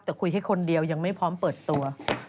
แต่คุยแค่คนเดียวยังไม่พร้อมเปิดตัว